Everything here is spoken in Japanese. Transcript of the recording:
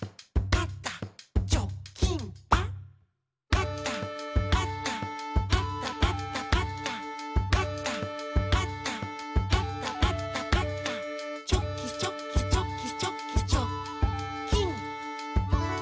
「パタパタパタパタパタ」「パタパタパタパタパタ」「チョキチョキチョキチョキチョッキン！」